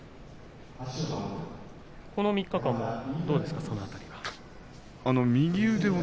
この３日間は、どうですかその辺りは。